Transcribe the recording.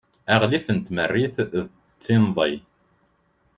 aɣlif n tmerrit d tinḍi